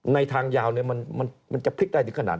ทางยาวมันจะพลิกได้ถึงขนาด